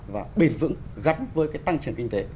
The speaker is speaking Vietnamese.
và bền vững gắn với cái tăng trưởng kinh tế